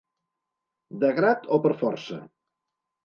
De grat o per força.